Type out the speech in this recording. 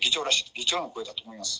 議長の声だと思います。